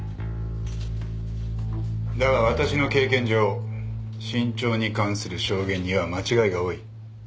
だが私の経験上身長に関する証言には間違いが多い。